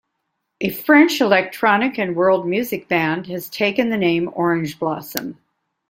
A French electronic and world music band has taken the name Orange Blossom.